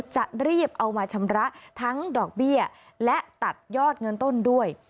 จะรีบเอามาชำระทั้งดอกเบี้ยและตัดยอดเงินต้นด้วย